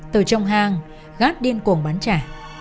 từ trong hang gát điên cuồng bắn trả